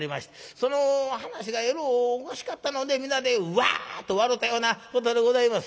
その噺がえろうおかしかったので皆でワッと笑うたようなことでございます」。